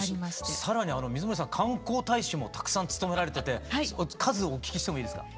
更に水森さん観光大使もたくさん務められてて数お聞きしてもいいですか？